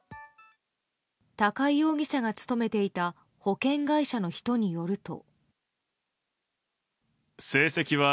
高井容疑者が勤めていた保険会社の人によると。